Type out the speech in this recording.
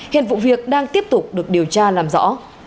hiện vụ việc đang tiếp tục được điều tra làm rõ